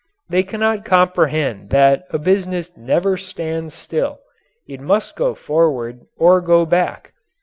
They cannot comprehend that a business never stands still, it must go forward or go back.